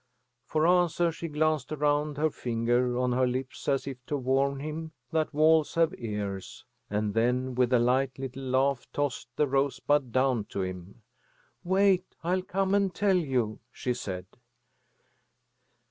For answer she glanced around, her finger on her lips as if to warn him that walls have ears, and then with a light little laugh tossed the rosebud down to him. "Wait! I'll come and tell you," she said.